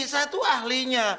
saya itu ahlinya